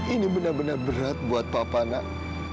ini benar benar berat buat papa nak